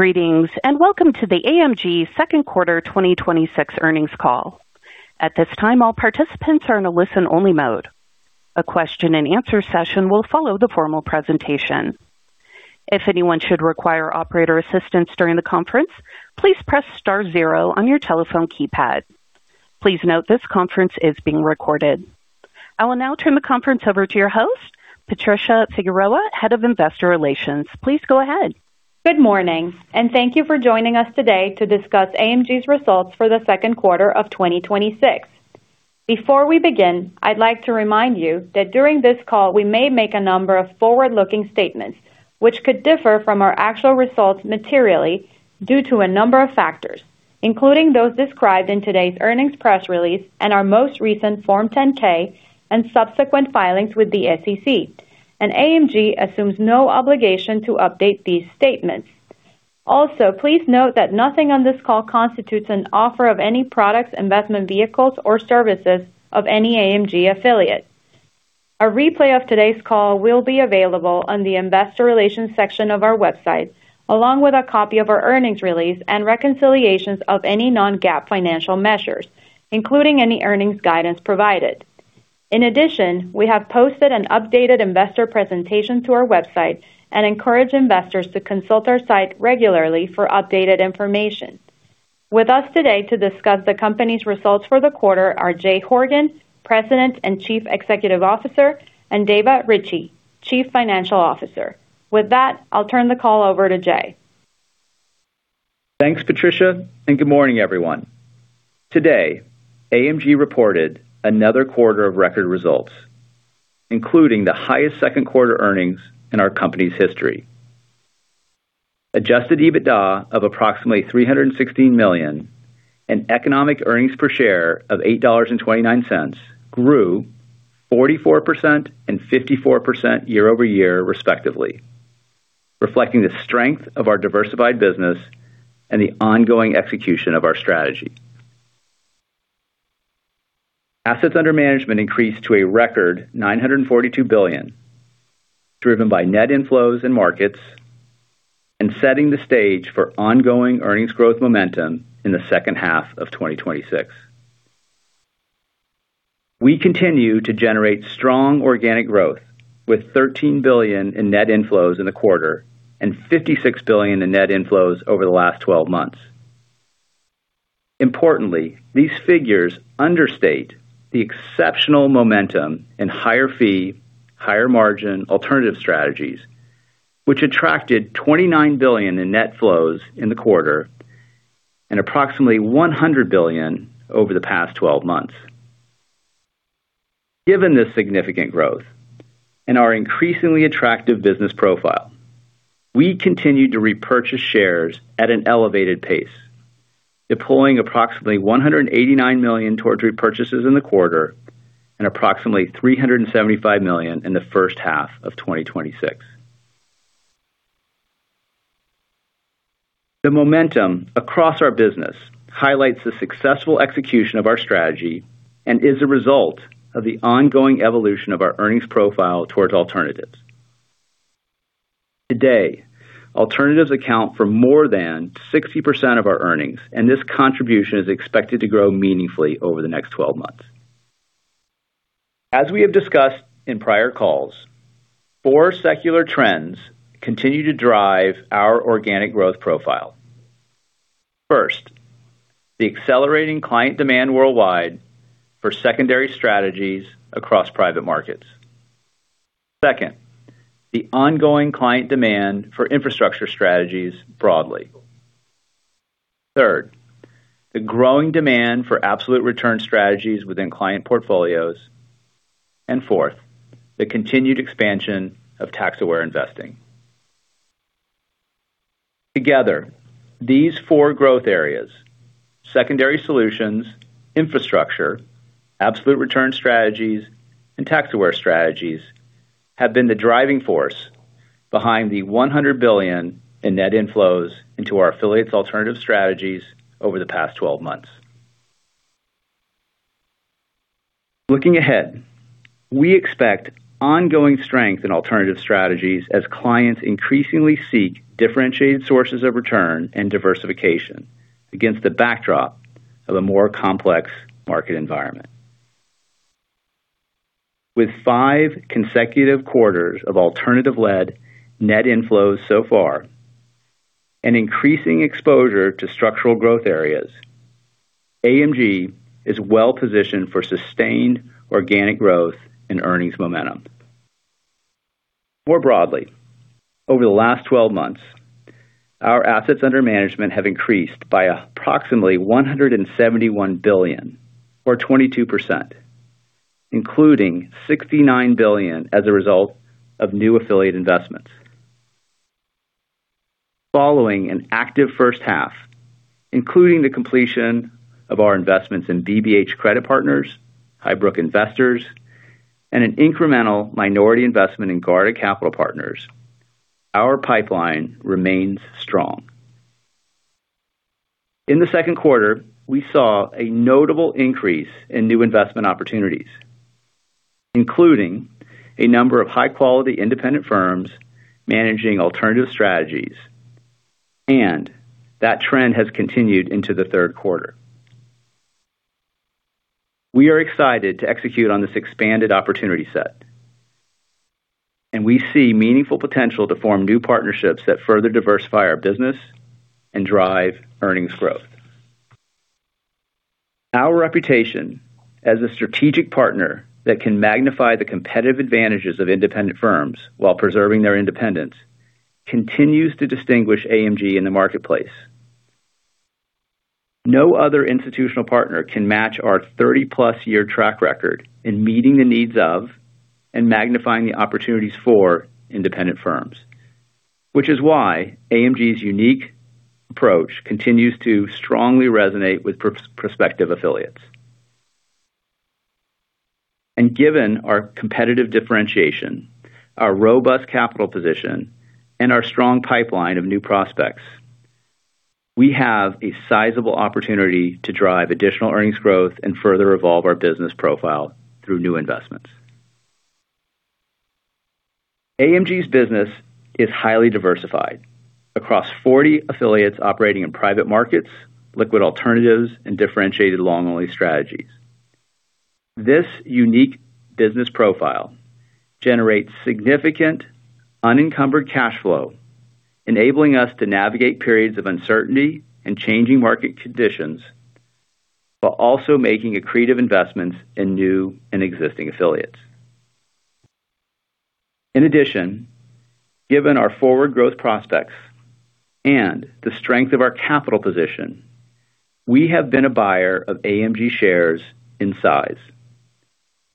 Greetings, and welcome to the AMG second quarter 2026 earnings call. At this time, all participants are in a listen-only mode. A question-and-answer session will follow the formal presentation. If anyone should require operator assistance during the conference, please press star zero on your telephone keypad. Please note this conference is being recorded. I will now turn the conference over to your host, Patricia Figueroa, Head of Investor Relations. Please go ahead. Good morning, and thank you for joining us today to discuss AMG's results for the second quarter of 2026. Before we begin, I'd like to remind you that during this call, we may make a number of forward-looking statements which could differ from our actual results materially due to a number of factors, including those described in today's earnings press release and our most recent Form 10-K and subsequent filings with the SEC. AMG assumes no obligation to update these statements. Also, please note that nothing on this call constitutes an offer of any products, investment vehicles, or services of any AMG affiliate. A replay of today's call will be available on the investor relations section of our website, along with a copy of our earnings release and reconciliations of any non-GAAP financial measures, including any earnings guidance provided. In addition, we have posted an updated investor presentation to our website and encourage investors to consult our site regularly for updated information. With us today to discuss the company's results for the quarter are Jay Horgen, President and Chief Executive Officer, and Dava Ritchea, Chief Financial Officer. With that, I'll turn the call over to Jay. Thanks, Patricia, and good morning, everyone. Today, AMG reported another quarter of record results, including the highest second quarter earnings in our company's history. Adjusted EBITDA of approximately $316 million, and economic earnings per share of $8.29 grew 44% and 54% year-over-year respectively, reflecting the strength of our diversified business and the ongoing execution of our strategy. Assets under management increased to a record $942 billion, driven by net inflows in markets and setting the stage for ongoing earnings growth momentum in the second half of 2026. We continue to generate strong organic growth with $13 billion in net inflows in the quarter and $56 billion in net inflows over the last 12 months. Importantly, these figures understate the exceptional momentum in higher fee, higher margin absolute return strategies, which attracted $29 billion in net flows in the quarter and approximately $100 billion over the past 12 months. Given this significant growth and our increasingly attractive business profile, we continued to repurchase shares at an elevated pace, deploying approximately $189 million towards repurchases in the quarter and approximately $375 million in the first half of 2026. The momentum across our business highlights the successful execution of our strategy and is a result of the ongoing evolution of our earnings profile towards alternatives. Today, alternatives account for more than 60% of our earnings, and this contribution is expected to grow meaningfully over the next 12 months. As we have discussed in prior calls, four secular trends continue to drive our organic growth profile. First, the accelerating client demand worldwide for Secondary Strategies across Private Markets. Second, the ongoing client demand for Infrastructure Strategies broadly. Third, the growing demand for Absolute Return Strategies within client portfolios. Fourth, the continued expansion of Tax-aware Investing. Together, these four growth areas, Secondary Strategies, Infrastructure, Absolute Return Strategies, and Tax-aware Strategies, have been the driving force behind the $100 billion in net inflows into our affiliates alternative strategies over the past 12 months. Looking ahead, we expect ongoing strength in alternative strategies as clients increasingly seek differentiated sources of return and diversification against the backdrop of a more complex market environment. With five consecutive quarters of alternative-led net inflows so far and increasing exposure to structural growth areas, AMG is well positioned for sustained organic growth and earnings momentum. More broadly, over the last 12 months, our assets under management have increased by approximately $171 billion, or 22%, including $69 billion as a result of new affiliate investments. Following an active first half, including the completion of our investments in BBH Credit Partners, HighBrook Investors, and an incremental minority investment in Garda Capital Partners, our pipeline remains strong. In the second quarter, we saw a notable increase in new investment opportunities, including a number of high-quality independent firms managing alternative strategies, and that trend has continued into the third quarter. We are excited to execute on this expanded opportunity set, and we see meaningful potential to form new partnerships that further diversify our business and drive earnings growth. Our reputation as a strategic partner that can magnify the competitive advantages of independent firms while preserving their independence continues to distinguish AMG in the marketplace. No other institutional partner can match our 30+ year track record in meeting the needs of and magnifying the opportunities for independent firms. This is why AMG's unique approach continues to strongly resonate with prospective affiliates. Given our competitive differentiation, our robust capital position, and our strong pipeline of new prospects, we have a sizable opportunity to drive additional earnings growth and further evolve our business profile through new investments. AMG's business is highly diversified across 40 affiliates operating in Private Markets, Liquid Alternatives, and Differentiated Long-only Strategies. This unique business profile generates significant unencumbered cash flow, enabling us to navigate periods of uncertainty and changing market conditions, while also making accretive investments in new and existing affiliates. In addition, given our forward growth prospects and the strength of our capital position, we have been a buyer of AMG shares in size.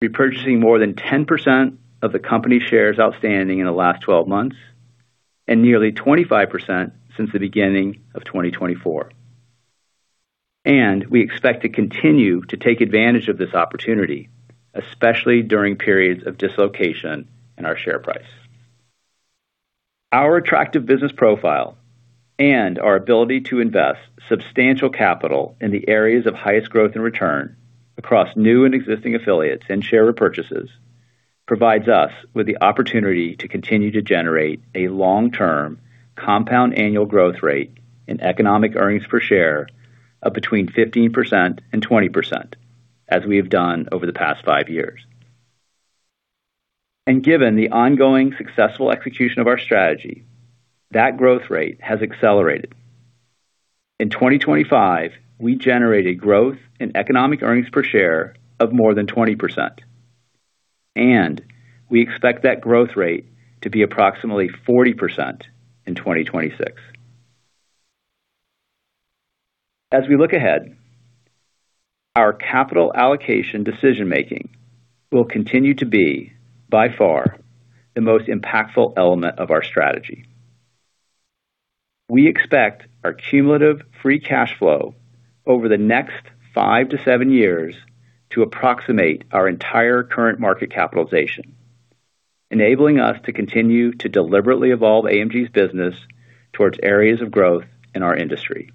Repurchasing more than 10% of the company shares outstanding in the last 12 months and nearly 25% since the beginning of 2024. We expect to continue to take advantage of this opportunity, especially during periods of dislocation in our share price. Our attractive business profile and our ability to invest substantial capital in the areas of highest growth and return across new and existing affiliates and share repurchases provides us with the opportunity to continue to generate a long-term compound annual growth rate in economic earnings per share of between 15%-20%, as we have done over the past five years. Given the ongoing successful execution of our strategy, that growth rate has accelerated. In 2025, we generated growth in economic earnings per share of more than 20%, and we expect that growth rate to be approximately 40% in 2026. As we look ahead, our capital allocation decision-making will continue to be, by far, the most impactful element of our strategy. We expect our cumulative free cash flow over the next five to seven years to approximate our entire current market capitalization, enabling us to continue to deliberately evolve AMG's business towards areas of growth in our industry.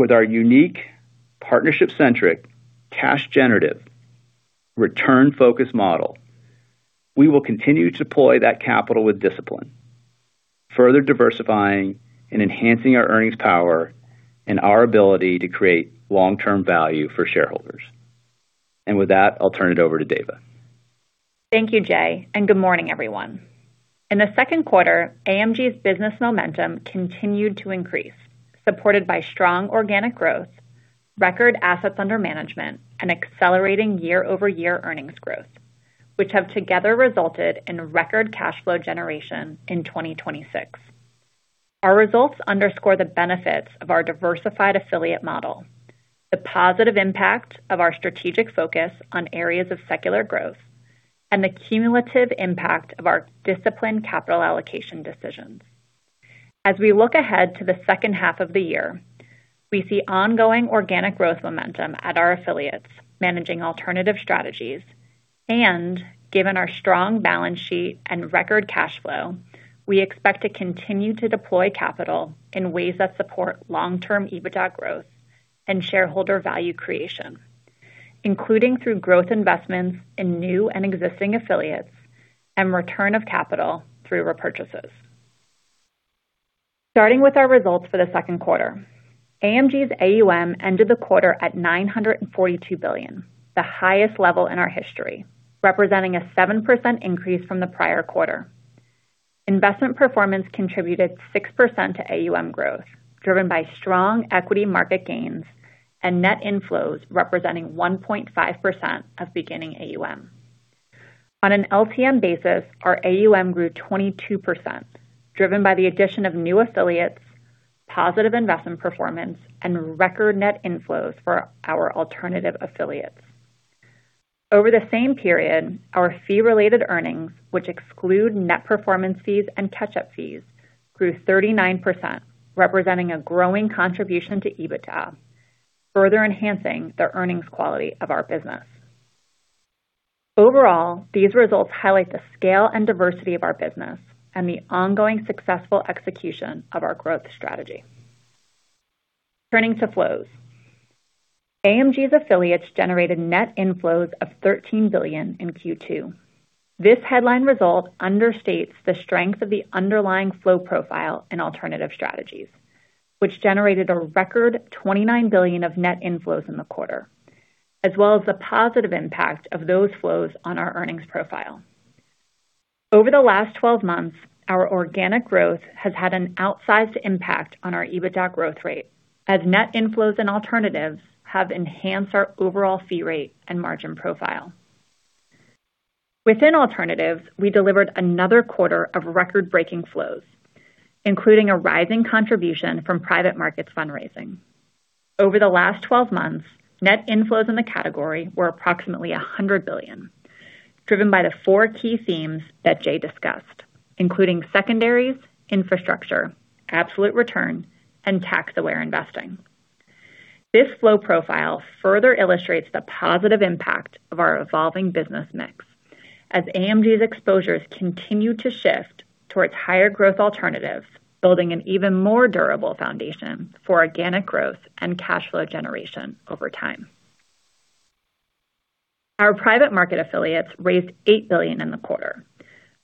With our unique partnership-centric, cash generative, return-focused model, we will continue to deploy that capital with discipline, further diversifying and enhancing our earnings power and our ability to create long-term value for shareholders. With that, I'll turn it over to Dava. Thank you, Jay, and good morning, everyone. In the second quarter, AMG's business momentum continued to increase, supported by strong organic growth, record assets under management, and accelerating year-over-year earnings growth, which have together resulted in record cash flow generation in 2026. Our results underscore the benefits of our diversified affiliate model, the positive impact of our strategic focus on areas of secular growth, and the cumulative impact of our disciplined capital allocation decisions. As we look ahead to the second half of the year, we see ongoing organic growth momentum at our affiliates managing alternative strategies. Given our strong balance sheet and record cash flow, we expect to continue to deploy capital in ways that support long-term EBITDA growth and shareholder value creation, including through growth investments in new and existing affiliates and return of capital through repurchases. Starting with our results for the second quarter. AMG's AUM ended the quarter at $942 billion, the highest level in our history, representing a 7% increase from the prior quarter. Investment performance contributed 6% to AUM growth, driven by strong equity market gains and net inflows representing 1.5% of beginning AUM. On an LTM basis, our AUM grew 22%, driven by the addition of new affiliates, positive investment performance, and record net inflows for our alternative affiliates. Over the same period, our fee-related earnings, which exclude net performance fees and catch-up fees, grew 39%, representing a growing contribution to EBITDA, further enhancing the earnings quality of our business. Overall, these results highlight the scale and diversity of our business and the ongoing successful execution of our growth strategy. Turning to flows. AMG's affiliates generated net inflows of $13 billion in Q2. This headline result understates the strength of the underlying flow profile in alternative strategies, which generated a record $29 billion of net inflows in the quarter, as well as the positive impact of those flows on our earnings profile. Over the last 12 months, our organic growth has had an outsized impact on our EBITDA growth rate, as net inflows and alternatives have enhanced our overall fee rate and margin profile. Within alternatives, we delivered another quarter of record-breaking flows, including a rising contribution from private markets fundraising. Over the last 12 months, net inflows in the category were approximately $100 billion, driven by the four key themes that Jay discussed, including secondaries, infrastructure, absolute return, and tax-aware investing. This flow profile further illustrates the positive impact of our evolving business mix as AMG's exposures continue to shift towards higher growth alternatives, building an even more durable foundation for organic growth and cash flow generation over time. Our private market affiliates raised $8 billion in the quarter,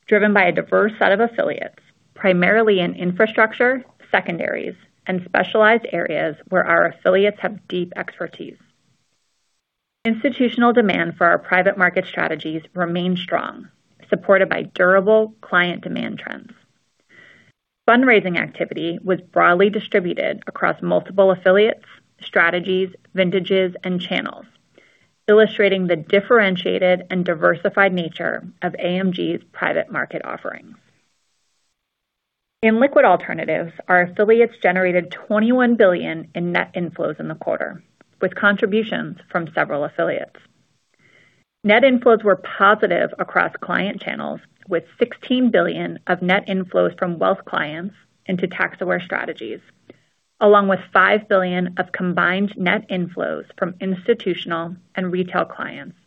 driven by a diverse set of affiliates, primarily in infrastructure, secondaries, and specialized areas where our affiliates have deep expertise. Institutional demand for our private market strategies remained strong, supported by durable client demand trends. Fundraising activity was broadly distributed across multiple affiliates, strategies, vintages, and channels, illustrating the differentiated and diversified nature of AMG's private market offerings. In liquid alternatives, our affiliates generated $21 billion in net inflows in the quarter, with contributions from several affiliates. Net inflows were positive across client channels, with $16 billion of net inflows from wealth clients into tax-aware strategies, along with $5 billion of combined net inflows from institutional and retail clients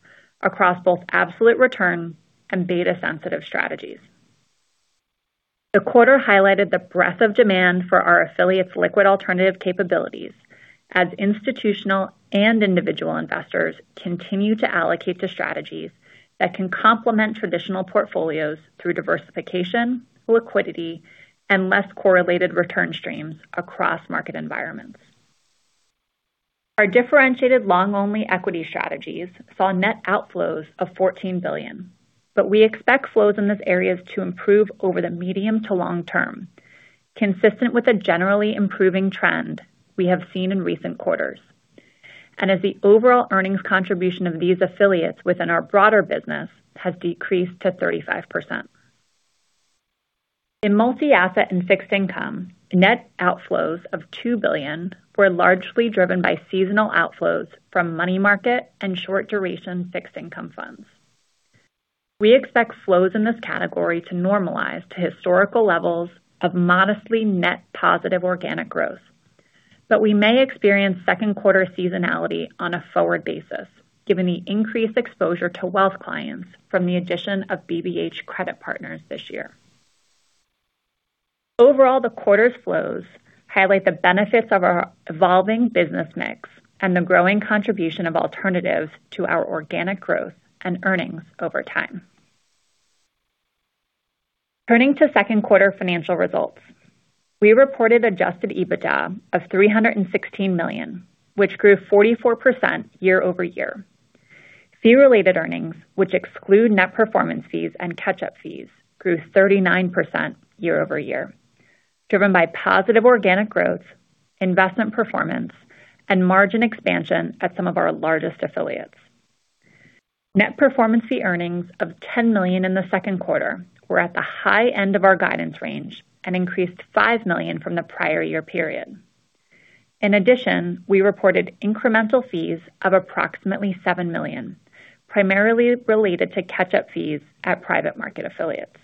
across both absolute return and beta-sensitive strategies. The quarter highlighted the breadth of demand for our affiliates' liquid alternative capabilities as institutional and individual investors continue to allocate to strategies that can complement traditional portfolios through diversification, liquidity, and less correlated return streams across market environments. Our differentiated long-only equity strategies saw net outflows of $14 billion. We expect flows in this area to improve over the medium to long term, consistent with the generally improving trend we have seen in recent quarters. As the overall earnings contribution of these affiliates within our broader business has decreased to 35%. In multi-asset and fixed income, net outflows of $2 billion were largely driven by seasonal outflows from money market and short duration fixed income funds. We expect flows in this category to normalize to historical levels of modestly net positive organic growth, but we may experience second quarter seasonality on a forward basis, given the increased exposure to wealth clients from the addition of BBH Credit Partners this year. Overall, the quarter's flows highlight the benefits of our evolving business mix and the growing contribution of alternatives to our organic growth and earnings over time. Turning to second quarter financial results. We reported adjusted EBITDA of $316 million, which grew 44% year-over-year. Fee-related earnings, which exclude net performance fees and catch-up fees, grew 39% year-over-year, driven by positive organic growth, investment performance, and margin expansion at some of our largest affiliates. Net performance fee earnings of $10 million in the second quarter were at the high end of our guidance range and increased $5 million from the prior year period. In addition, we reported incremental fees of approximately $7 million, primarily related to catch-up fees at private market affiliates.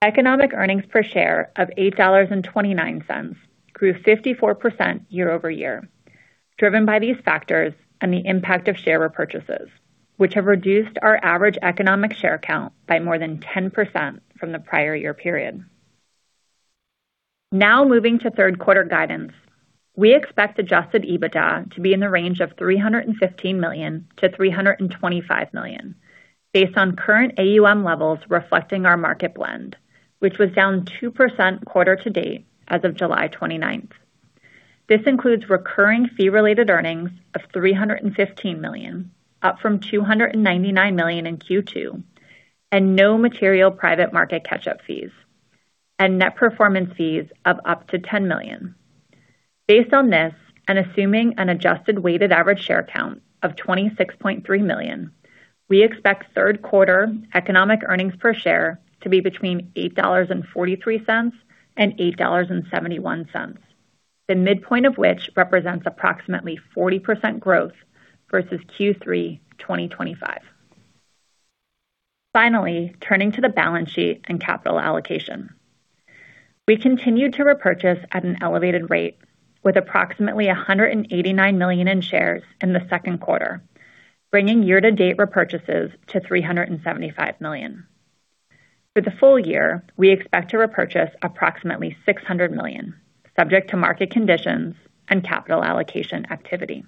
Economic earnings per share of $8.29 grew 54% year-over-year, driven by these factors and the impact of share repurchases, which have reduced our average economic share count by more than 10% from the prior year period. Now moving to third quarter guidance. We expect adjusted EBITDA to be in the range of $315 million-$325 million based on current AUM levels reflecting our market blend, which was down 2% quarter to date as of July 29th. This includes recurring fee-related earnings of $315 million, up from $299 million in Q2, and no material private market catch-up fees and net performance fees of up to $10 million. Based on this, and assuming an adjusted weighted average share count of 26.3 million, we expect third quarter economic earnings per share to be between $8.43 and $8.71. The midpoint of which represents approximately 40% growth versus Q3 2025. Finally, turning to the balance sheet and capital allocation. We continued to repurchase at an elevated rate with approximately $189 million in shares in the second quarter, bringing year-to-date repurchases to $375 million. For the full year, we expect to repurchase approximately $600 million, subject to market conditions and capital allocation activity.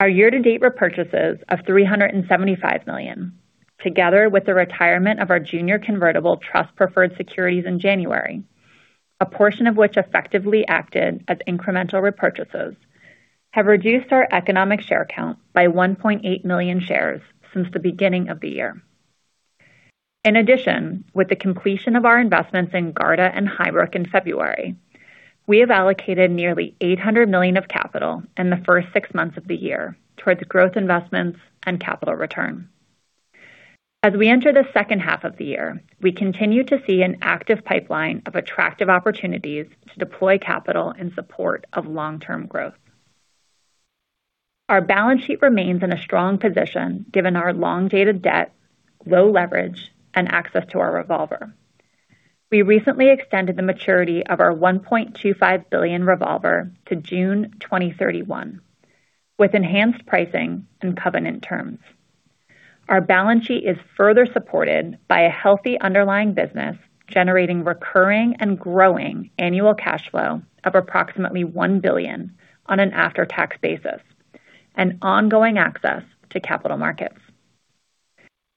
Our year-to-date repurchases of $375 million, together with the retirement of our junior convertible trust preferred securities in January, a portion of which effectively acted as incremental repurchases, have reduced our economic share count by 1.8 million shares since the beginning of the year. In addition, with the completion of our investments in Garda and HighBrook in February, we have allocated nearly $800 million of capital in the first six months of the year towards growth investments and capital return. As we enter the second half of the year, we continue to see an active pipeline of attractive opportunities to deploy capital in support of long-term growth. Our balance sheet remains in a strong position given our long-dated debt, low leverage, and access to our revolver. We recently extended the maturity of our $1.25 billion revolver to June 2031 with enhanced pricing and covenant terms. Our balance sheet is further supported by a healthy underlying business generating recurring and growing annual cash flow of approximately $1 billion on an after-tax basis and ongoing access to capital markets.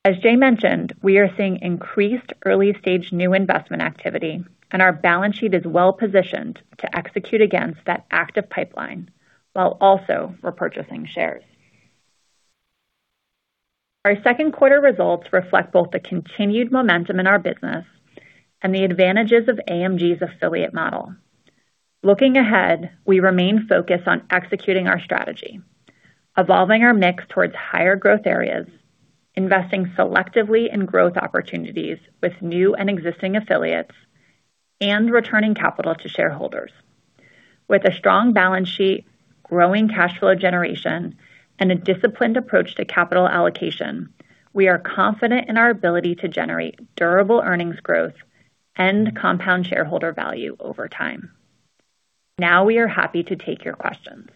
As Jay mentioned, we are seeing increased early-stage new investment activity, and our balance sheet is well-positioned to execute against that active pipeline while also repurchasing shares. Our second quarter results reflect both the continued momentum in our business and the advantages of AMG's affiliate model. Looking ahead, we remain focused on executing our strategy, evolving our mix towards higher growth areas, investing selectively in growth opportunities with new and existing affiliates, and returning capital to shareholders. With a strong balance sheet, growing cash flow generation, and a disciplined approach to capital allocation, we are confident in our ability to generate durable earnings growth and compound shareholder value over time. Now we are happy to take your questions.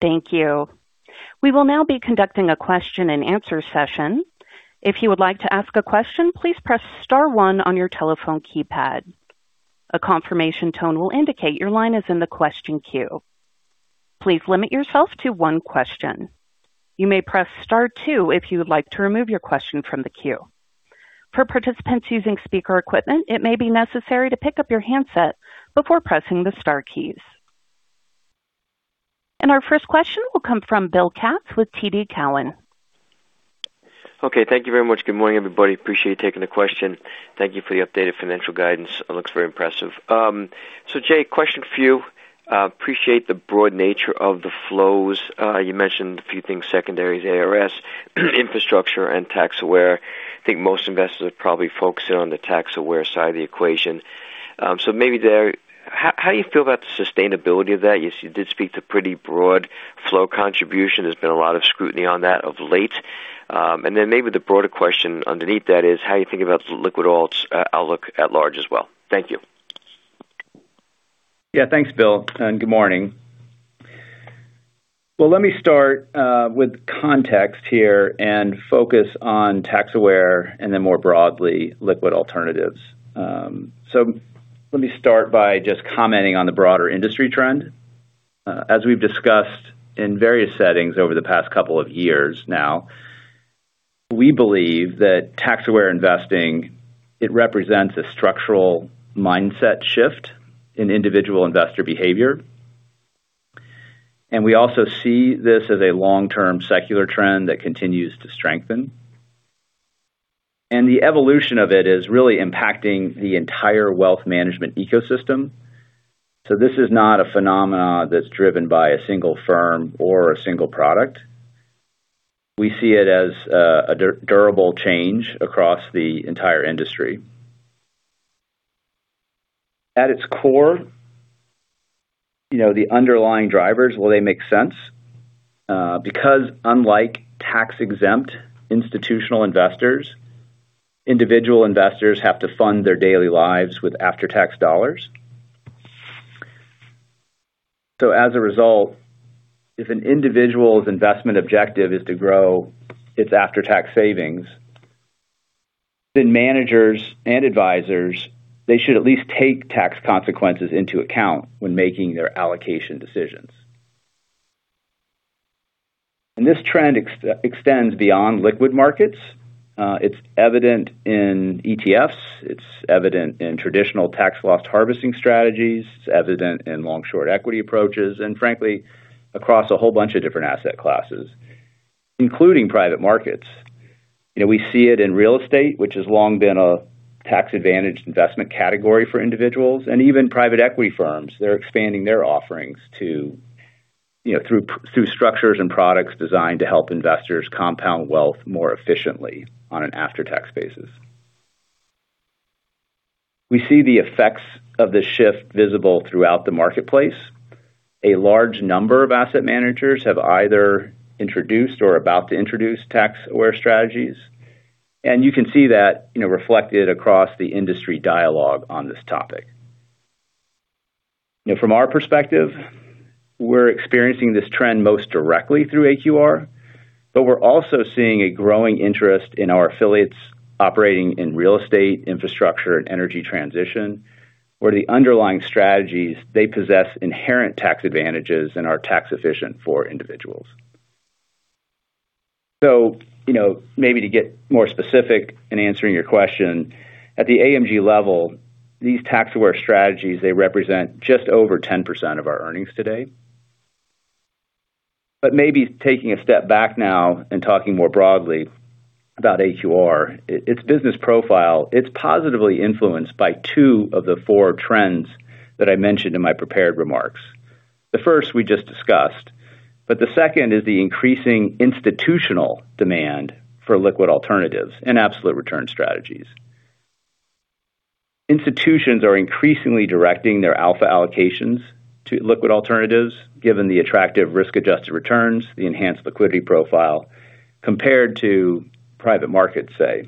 Thank you. We will now be conducting a question-and-answer session. If you would like to ask a question, please press star one on your telephone keypad. A confirmation tone will indicate your line is in the question queue. Please limit yourself to one question. You may press star two if you would like to remove your question from the queue. For participants using speaker equipment, it may be necessary to pick up your handset before pressing the star keys. Our first question will come from Bill Katz with TD Cowen. Okay. Thank you very much. Good morning, everybody. Appreciate you taking the question. Thank you for the updated financial guidance. It looks very impressive. Jay, question for you. Appreciate the broad nature of the flows. You mentioned a few things, secondaries, ARS, infrastructure, and tax-aware. I think most investors are probably focusing on the tax-aware side of the equation. Maybe there, how you feel about the sustainability of that? You did speak to pretty broad flow contribution. There's been a lot of scrutiny on that of late. Then maybe the broader question underneath that is how you think about the liquid alts outlook at large as well. Thank you. Yeah. Thanks, Bill, and good morning. Well, let me start with context here and focus on tax-aware and then more broadly, liquid alternatives. Let me start by just commenting on the broader industry trend. As we've discussed in various settings over the past couple of years now, we believe that tax-aware investing, it represents a structural mindset shift in individual investor behavior. We also see this as a long-term secular trend that continues to strengthen. The evolution of it is really impacting the entire wealth management ecosystem. This is not a phenomenon that's driven by a single firm or a single product. We see it as a durable change across the entire industry. At its core, the underlying drivers, well, they make sense, because unlike tax-exempt institutional investors, individual investors have to fund their daily lives with after-tax dollars. As a result, if an individual's investment objective is to grow its after-tax savings, then managers and advisors, they should at least take tax consequences into account when making their allocation decisions. This trend extends beyond liquid markets. It's evident in ETFs. It's evident in traditional tax loss harvesting strategies. It's evident in long-short equity approaches and frankly, across a whole bunch of different asset classes, including private markets. We see it in real estate, which has long been a tax advantage investment category for individuals, and even private equity firms. They're expanding their offerings through structures and products designed to help investors compound wealth more efficiently on an after-tax basis. We see the effects of this shift visible throughout the marketplace. A large number of asset managers have either introduced or are about to introduce tax-aware strategies. You can see that reflected across the industry dialogue on this topic. From our perspective, we're experiencing this trend most directly through AQR, but we're also seeing a growing interest in our affiliates operating in real estate, infrastructure, and energy transition, where the underlying strategies, they possess inherent tax advantages and are tax efficient for individuals. Maybe to get more specific in answering your question, at the AMG level, these tax-aware strategies, they represent just over 10% of our earnings today. Maybe taking a step back now and talking more broadly about AQR, its business profile, it's positively influenced by two of the four trends that I mentioned in my prepared remarks. The first we just discussed, but the second is the increasing institutional demand for liquid alternatives and absolute return strategies. Institutions are increasingly directing their alpha allocations to liquid alternatives, given the attractive risk-adjusted returns, the enhanced liquidity profile, compared to private markets, say.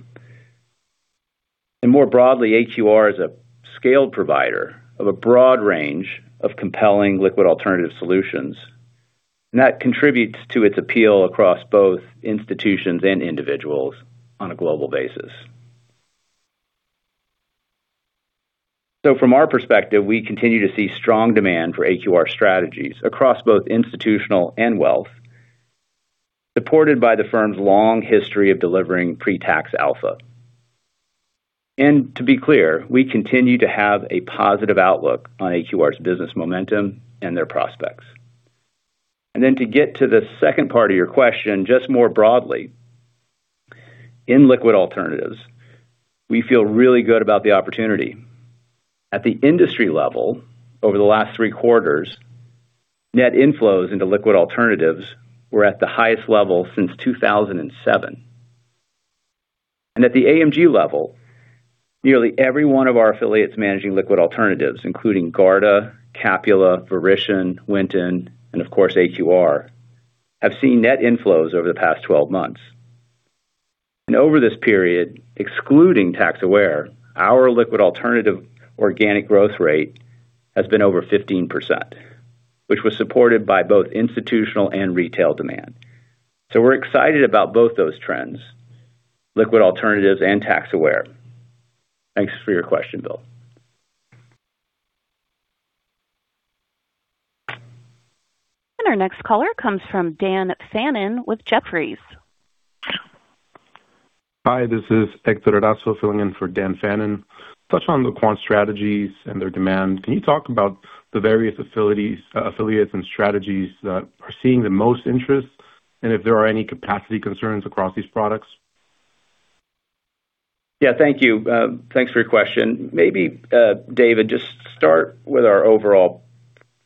More broadly, AQR is a scaled provider of a broad range of compelling liquid alternative solutions. That contributes to its appeal across both institutions and individuals on a global basis. From our perspective, we continue to see strong demand for AQR strategies across both institutional and wealth, supported by the firm's long history of delivering pre-tax alpha. To be clear, we continue to have a positive outlook on AQR's business momentum and their prospects. To get to the second part of your question, just more broadly, in liquid alternatives, we feel really good about the opportunity. At the industry level, over the last three quarters, net inflows into liquid alternatives were at the highest level since 2007. At the AMG level, nearly every one of our affiliates managing liquid alternatives, including Garda, Capula, Verition, Winton and of course, AQR, have seen net inflows over the past 12 months. Over this period, excluding tax aware, our liquid alternative organic growth rate has been over 15%, which was supported by both institutional and retail demand. We're excited about both those trends, liquid alternatives and tax aware. Thanks for your question, Bill. Our next caller comes from Dan Fannon with Jefferies. Hi, this is Hector Erazo filling in for Dan Fannon. Touch on the quant strategies and their demand. Can you talk about the various affiliates and strategies that are seeing the most interest, and if there are any capacity concerns across these products? Yeah. Thank you. Thanks for your question. Maybe, Dava, just start with our overall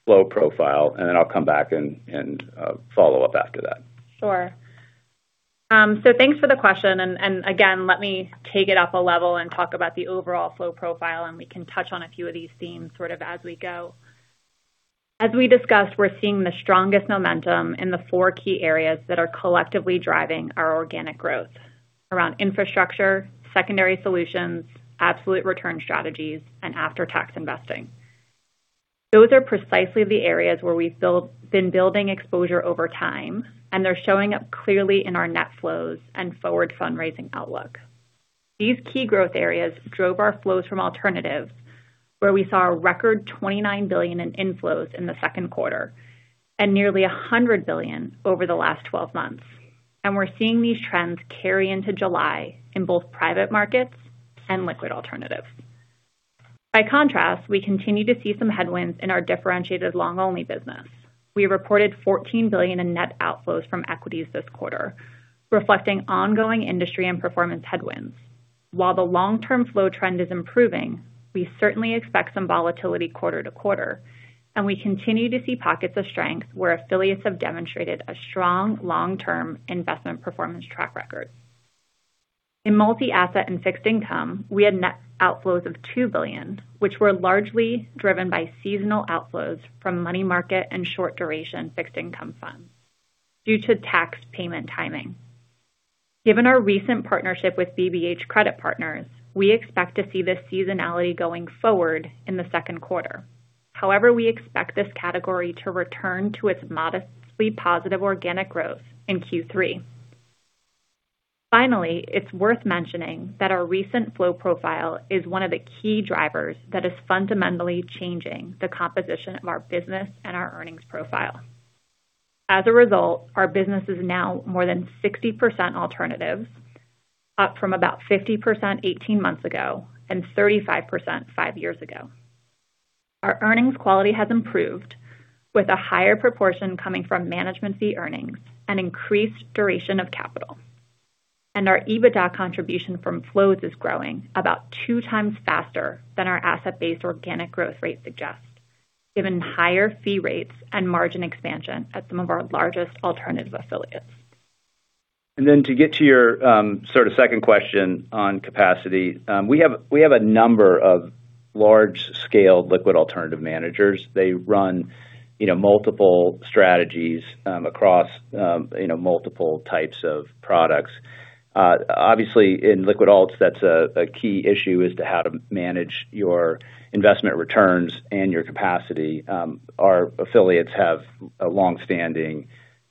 flow profile, then I'll come back and follow up after that. Thanks for the question, and again, let me take it up a level and talk about the overall flow profile, and we can touch on a few of these themes sort of as we go. As we discussed, we're seeing the strongest momentum in the four key areas that are collectively driving our organic growth. Around infrastructure, secondary strategies, absolute return strategies, and tax-aware investing. Those are precisely the areas where we've been building exposure over time, and they're showing up clearly in our net flows and forward fundraising outlook. These key growth areas drove our flows from alternatives, where we saw a record $29 billion in inflows in the second quarter and nearly $100 billion over the last 12 months. We're seeing these trends carry into July in both private markets and liquid alternatives. By contrast, we continue to see some headwinds in our differentiated long-only business. We reported $14 billion in net outflows from equities this quarter, reflecting ongoing industry and performance headwinds. While the long-term flow trend is improving, we certainly expect some volatility quarter-to-quarter, and we continue to see pockets of strength where affiliates have demonstrated a strong long-term investment performance track record. In multi-asset and fixed income, we had net outflows of $2 billion, which were largely driven by seasonal outflows from money market and short duration fixed income funds due to tax payment timing. Given our recent partnership with BBH Credit Partners, we expect to see this seasonality going forward in the second quarter. However, we expect this category to return to its modestly positive organic growth in Q3. Finally, it's worth mentioning that our recent flow profile is one of the key drivers that is fundamentally changing the composition of our business and our earnings profile. As a result, our business is now more than 60% alternatives, up from about 50% 18 months ago and 35% five years ago. Our earnings quality has improved with a higher proportion coming from management fee earnings and increased duration of capital. Our EBITDA contribution from flows is growing about two times faster than our asset-based organic growth rate suggests, given higher fee rates and margin expansion at some of our largest alternative affiliates To get to your second question on capacity, we have a number of large-scale liquid alternative managers. They run multiple strategies across multiple types of products. Obviously, in liquid alts, that's a key issue is how to manage your investment returns and your capacity. Our affiliates have a long-standing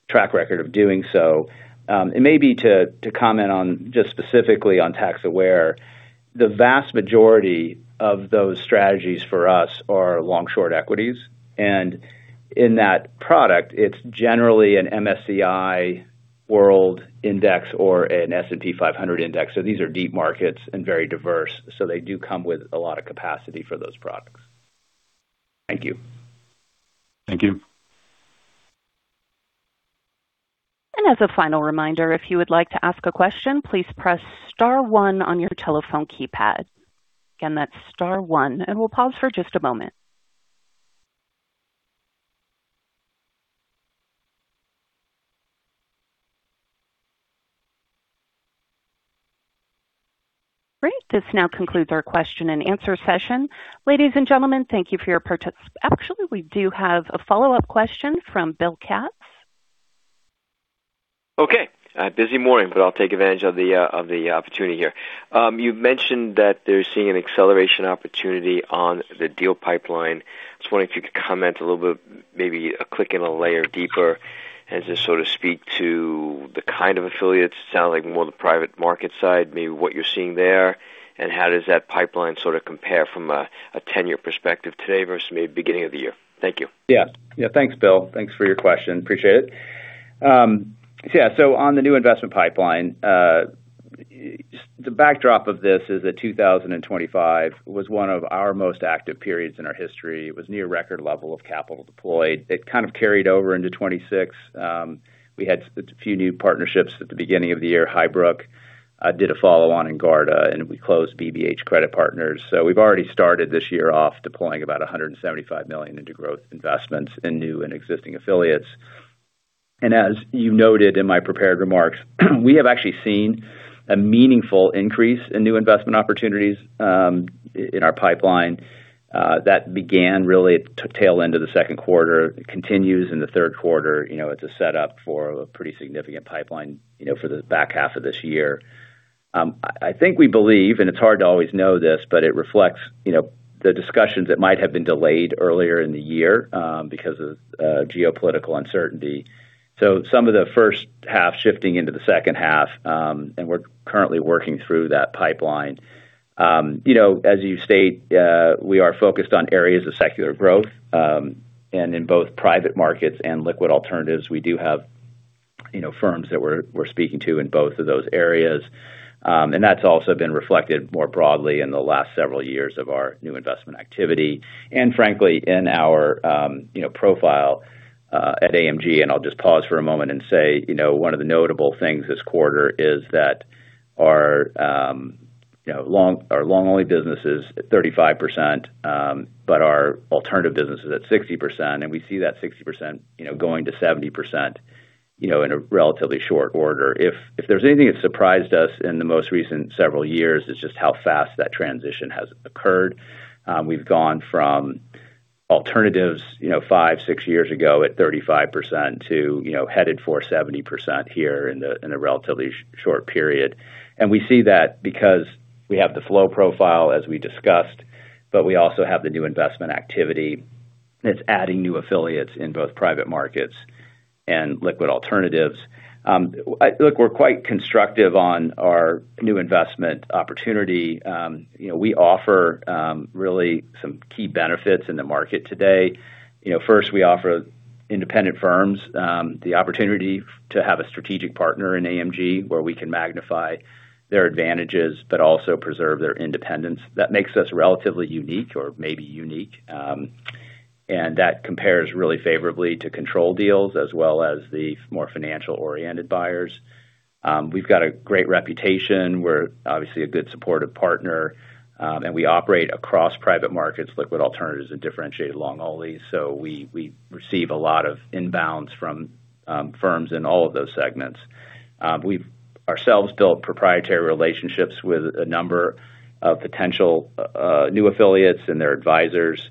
track record of doing so. Maybe to comment on just specifically on tax-aware, the vast majority of those strategies for us are long-short equities, and in that product, it's generally an MSCI World index or an S&P 500 index. These are deep markets and very diverse, so they do come with a lot of capacity for those products. Thank you. Thank you. As a final reminder, if you would like to ask a question, please press star one on your telephone keypad. Again, that's star one, and we'll pause for just a moment. Great. This now concludes our question-and-answer session. Ladies and gentlemen, thank you for your. Actually, we do have a follow-up question from Bill Katz. Okay. A busy morning, but I'll take advantage of the opportunity here. You mentioned that they're seeing an acceleration opportunity on the deal pipeline. Just wondering if you could comment a little bit, maybe a click and a layer deeper, and just sort of speak to the kind of affiliates, sound like more the private markets side, maybe what you're seeing there, and how does that pipeline sort of compare from a tenure perspective today versus maybe beginning of the year? Thank you. Thanks, Bill. Thanks for your question. Appreciate it. Yeah. On the new investment pipeline, the backdrop of this is that 2025 was one of our most active periods in our history. It was near record level of capital deployed. It kind of carried over into 2026. We had a few new partnerships at the beginning of the year. HighBrook did a follow-on in Garda, and we closed BBH Credit Partners. We've already started this year off deploying about $175 million into growth investments in new and existing affiliates. As you noted in my prepared remarks, we have actually seen a meaningful increase in new investment opportunities in our pipeline. That began really at the tail end of the second quarter. It continues in the third quarter. It's a set up for a pretty significant pipeline for the back half of this year. I think we believe, and it's hard to always know this, but it reflects the discussions that might have been delayed earlier in the year because of geopolitical uncertainty. Some of the first half shifting into the second half, we're currently working through that pipeline. As you've stated, we are focused on areas of secular growth, and in both private markets and liquid alternatives, we do have firms that we're speaking to in both of those areas. That's also been reflected more broadly in the last several years of our new investment activity, and frankly, in our profile at AMG. I'll just pause for a moment and say one of the notable things this quarter is that our long-only business is at 35%, but our alternative business is at 60%, and we see that 60% going to 70% in a relatively short order. If there's anything that surprised us in the most recent several years, it's just how fast that transition has occurred. We've gone from alternatives five, six years ago at 35% to headed for 70% here in a relatively short period. We see that because we have the flow profile as we discussed, but we also have the new investment activity that's adding new affiliates in both private markets and liquid alternatives. Look, we're quite constructive on our new investment opportunity. We offer really some key benefits in the market today. First, we offer independent firms the opportunity to have a strategic partner in AMG where we can magnify their advantages, but also preserve their independence. That makes us relatively unique or maybe unique. That compares really favorably to control deals as well as the more financial-oriented buyers. We've got a great reputation. We're obviously a good supportive partner, we operate across private markets, liquid alternatives, and differentiated long-only. We receive a lot of inbounds from firms in all of those segments. We've ourselves built proprietary relationships with a number of potential new affiliates and their advisors.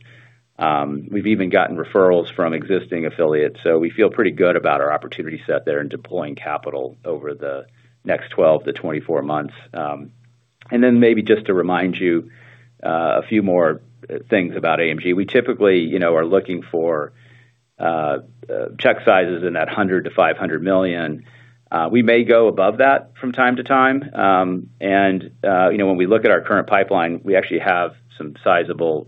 We've even gotten referrals from existing affiliates, we feel pretty good about our opportunity set there in deploying capital over the next 12 to 24 months. Maybe just to remind you a few more things about AMG. We typically are looking for check sizes in that $100 million-$500 million. We may go above that from time to time. When we look at our current pipeline, we actually have some sizable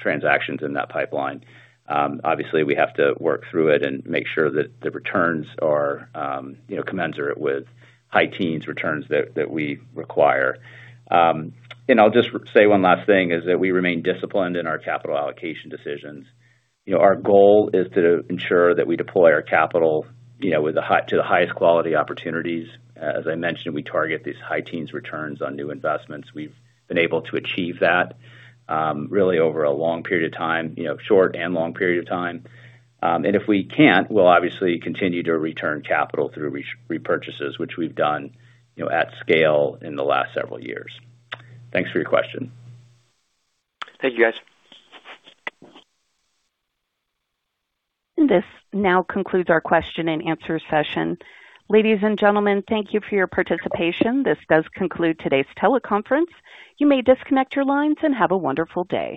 transactions in that pipeline. We have to work through it and make sure that the returns are commensurate with high teens returns that we require. I'll just say one last thing is that we remain disciplined in our capital allocation decisions. Our goal is to ensure that we deploy our capital to the highest quality opportunities. As I mentioned, we target these high teens returns on new investments. We've been able to achieve that really over a long period of time, short and long period of time. If we can't, we'll obviously continue to return capital through repurchases, which we've done at scale in the last several years. Thanks for your question. Thank you, guys. This now concludes our question-and-answer session. Ladies and gentlemen, thank you for your participation. This does conclude today's teleconference. You may disconnect your lines and have a wonderful day.